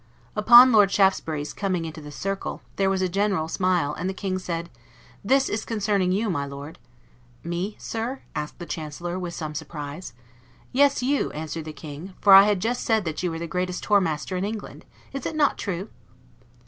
Upon Lord Shaftesbury's coming into the circle, there was a general smile; the King said, "This is concerning you, my Lord." "Me, sir?" answered the Chancellor, with some surprise. "Yes, you," answered the King; "for I had just said that you were the greatest whore master in England! Is it not true?"